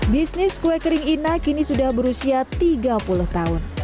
bisnis kue kering ina kini sudah berusia tiga puluh tahun